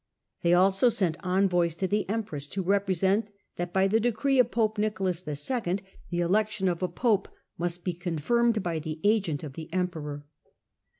They also sent envoys to "*°y the empress, to represent that by the decree of pope Nicolas II. the election of a pope must be con firmed by the agent of the emperor.